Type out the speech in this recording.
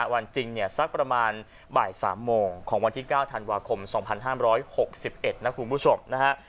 วันจริงเนี่ยสักประมาณบ่าย๓โมงของวันที่๙ธันวาคม๒๕๖๑นะคุณผู้ชมนะฮะ